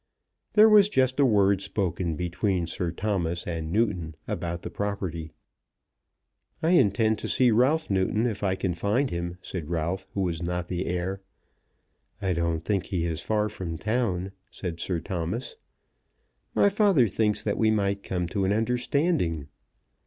There was just a word spoken between Sir Thomas and Newton about the property. "I intend to see Ralph Newton, if I can find him," said Ralph who was not the heir. "I don't think he is far from town," said Sir Thomas. "My father thinks that we might come to an understanding."